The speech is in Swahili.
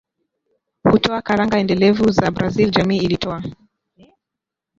hutoa karanga endelevu za brazil Jamii ilitoa